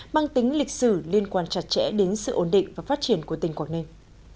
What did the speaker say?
mang tính lịch sử liên quan chặt chẽ đến sự ổn định và phát triển của tỉnh quảng ninh